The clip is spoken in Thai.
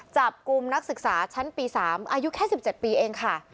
จับกลุ่มนักศึกษาชั้นปีสามอายุแค่สิบเจ็ดปีเองค่ะ